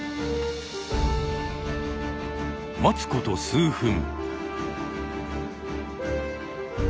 待つこと数分。